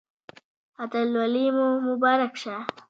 اتلولي مو مبارک شه